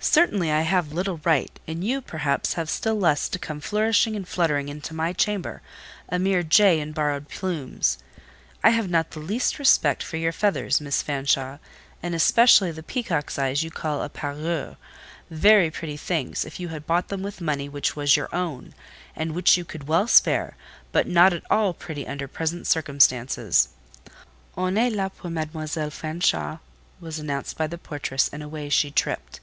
"Certainly! I have little right; and you, perhaps, have still less to come flourishing and fluttering into my chamber—a mere jay in borrowed plumes. I have not the least respect for your feathers, Miss Fanshawe; and especially the peacock's eyes you call a parure: very pretty things, if you had bought them with money which was your own, and which you could well spare, but not at all pretty under present circumstances." "On est là pour Mademoiselle Fanshawe!" was announced by the portress, and away she tripped.